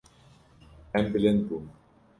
Em bilind bûn.